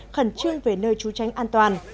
khẩn trương về nơi trú tránh an toàn